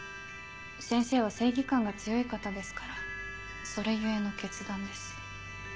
先生は正義感が強い方ですからそれ故の決断です。